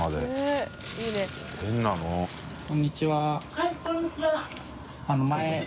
はいこんにちは。